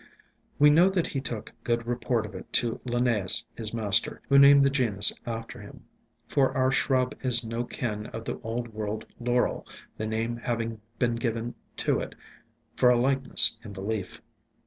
We know that he took good report of it to Lin naeus, his master, who named the genus after him, for our shrub is no kin of the Old World Laurel, the name having been given to it for a likeness in the leaf.